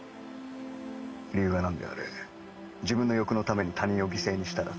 理由がなんであれ自分の欲のために他人を犠牲にしたら罪になる。